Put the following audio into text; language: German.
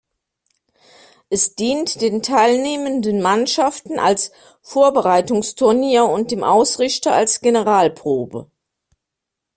Es dient den teilnehmenden Mannschaften als Vorbereitungsturnier und dem Ausrichter als Generalprobe.